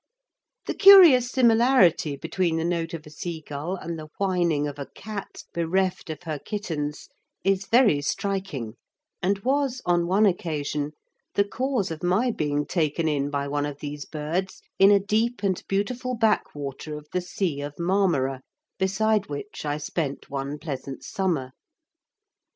The curious similarity between the note of a seagull and the whining of a cat bereft of her kittens is very striking, and was on one occasion the cause of my being taken in by one of these birds in a deep and beautiful backwater of the Sea of Marmora, beside which I spent one pleasant summer.